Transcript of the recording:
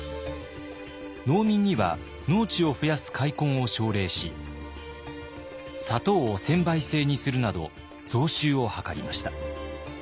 農民には農地を増やす開墾を奨励し砂糖を専売制にするなど増収を図りました。